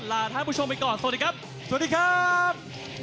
ลาท่านผู้ชมไปก่อนสวัสดีครับ